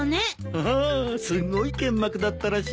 ああすごいけんまくだったらしいよ。